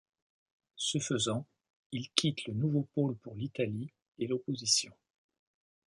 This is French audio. Ce faisant ils quittent le Nouveau Pôle pour l'Italie et l'opposition.